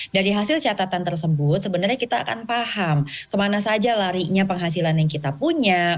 dari hasil catatan tersebut sebenarnya kita akan paham kemana saja larinya penghasilan yang kita punya